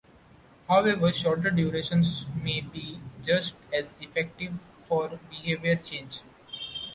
However, shorter durations may be just as effective for behavior change.